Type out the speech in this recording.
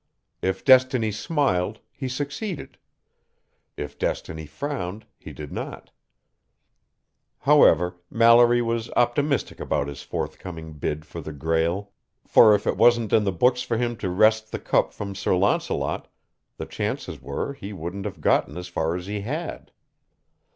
If destiny smiled, he succeeded; if destiny frowned, he did not. However, Mallory was optimistic about his forthcoming bid for the Grail, for if it wasn't in the books for him to wrest the Cup from Sir Launcelot, the chances were he wouldn't have gotten as far as he had.